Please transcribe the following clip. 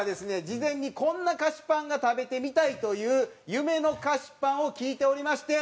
事前に「こんな菓子パンが食べてみたい」という夢の菓子パンを聞いておりまして。